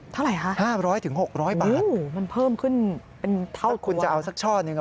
เท่าไหร่ค่ะโอ้โฮมันเพิ่มขึ้นเป็นเท่าคุณว่านะถ้าคุณจะเอาสักช่อหนึ่ง